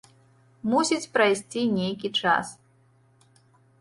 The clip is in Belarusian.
Мусіць прайсці нейкі час.